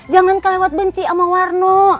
jangan kelewat benci sama warna